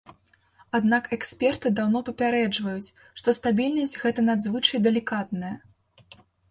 Аднак эксперты даўно папярэджваюць, што стабільнасць гэта надзвычай далікатная.